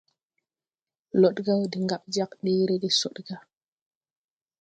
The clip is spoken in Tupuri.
Lodgà wɔ de ŋgaɓ jag ɗeere de Sɔdgà.